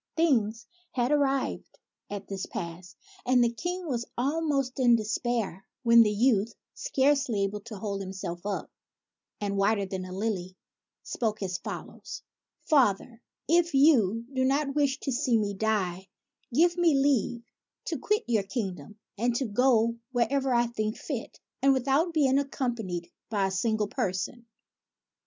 Things had arrived at this pass, and the King was almost in despair, when the youth, scarcely able to hold himself up, and whiter than a lily, spoke as follows :—" Father, if you do not wish to see me die, give me leave to quit your kingdom, and to go wherever I think fit, and with out being accompanied by a single person."